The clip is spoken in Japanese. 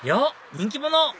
人気者！